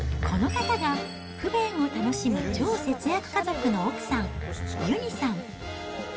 この方が、不便を楽しむ超節約家族の奥さん、ゆにさん。